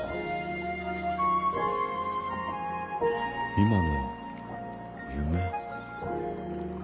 今のは夢？